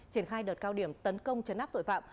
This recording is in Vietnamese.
triển khai đợt cao điểm tấn công chấn áp tội phạm